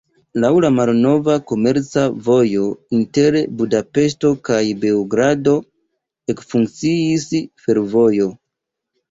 Laŭ la malnova komerca vojo inter Budapeŝto kaj Beogrado ekfunkciis fervojo.